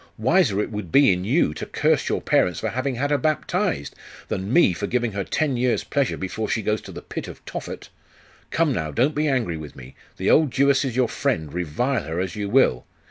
Wiser it would be in you to curse your parents for having had her baptized, than me for giving her ten years' pleasure before she goes to the pit of Tophet. Come now, don't be angry with me. The old Jewess is your friend, revile her as you will.